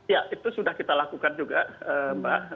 ya itu sudah kita lakukan juga mbak